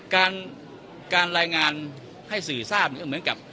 การการรายงานให้สื่อทราบเนี่ยเหมือนกับ